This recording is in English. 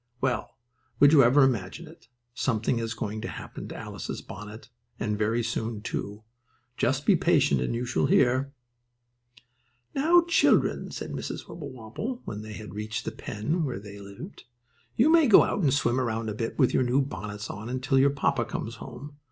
Well, would you ever imagine it? Something is going to happen to Alice's bonnet, and very soon, too. Just be patient and you shall hear. "Now children," said Mrs. Wibblewobble, when they had reached the pen where they lived, "you may go out and swim around a bit with your new bonnets on until your papa comes home.